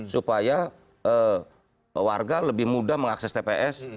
supaya warga lebih mudah mengakses tps